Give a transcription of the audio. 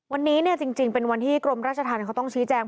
วันนี้จริงเป็นวันที่กรมราชธรรมเขาต้องชี้แจง